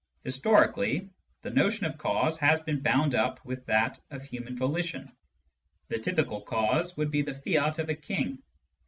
Historically, the notion of cause has been bound up with that of human volition. The typical cause would be the fiat of a king.